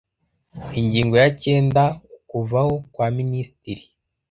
ingingo ya cyenda ukuvaho kwa minisitiri